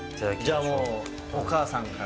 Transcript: じゃあもうお母さんから。